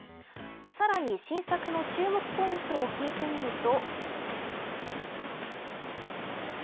さらに新作の注目ポイントを聞いてみると。